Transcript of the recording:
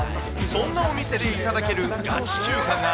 そんなお店で頂けるガチ中華が。